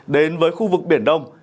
đến với khu vực biển đông